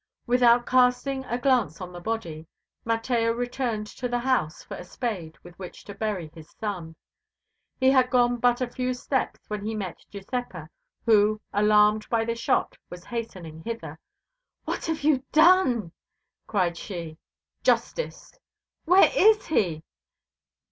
Without casting a glance on the body, Mateo returned to the house for a spade with which to bury his son. He had gone but a few steps when he met Giuseppa, who, alarmed by the shot, was hastening hither. "What have you done?" cried she. "Justice." "Where is he?"